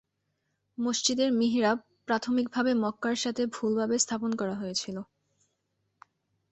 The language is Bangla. মসজিদের মিহরাব প্রাথমিকভাবে মক্কার সাথে ভুলভাবে স্থাপন করা হয়েছিল।